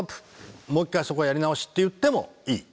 もう一回そこやり直し」って言ってもいい。